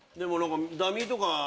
ダミーとか。